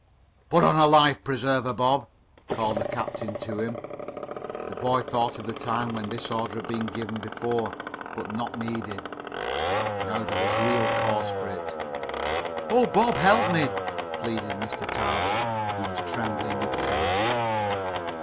"Put on a life preserver, Bob," called the captain to him. The boy thought of the time when this order had been given before, but not needed. Now there was real cause for it. "Oh, Bob! Help me!" pleaded Mr. Tarbill, who was trembling with terror.